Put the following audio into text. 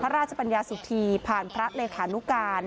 พระราชปัญญาสุธีผ่านพระเลขานุการ